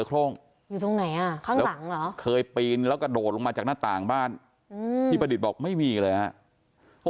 เคยปีนแล้วก็โดดลงมาจากหน้าต่างบ้านพี่ประดิษฐ์บอกไม่มีเลยฮะ